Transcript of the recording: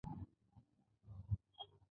روژه د صبر او زغم ازموینه ده.